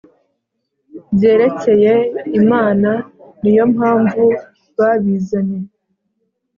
byerekeye Imana niyompamvu babizanye